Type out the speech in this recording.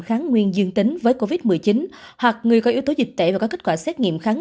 kháng nguyên dương tính với covid một mươi chín hoặc người có yếu tố dịch tễ và có kết quả xét nghiệm kháng